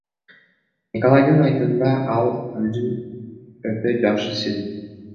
Николайдын айтымында, ал өзүн өтө жакшы сезет.